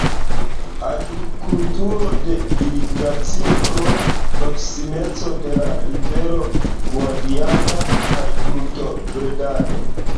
Agrikulturo de irigacio pro proksimeco de la rivero Guadiana kaj brutobredado.